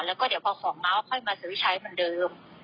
แล้วพอของมาค่อยมาซื้อชัยเหมือนเดิม